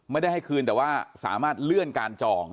ไม่ได้ให้คืนแต่ว่าสามารถเลื่อนการจอง